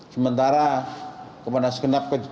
sementara kepada segenap kecocokan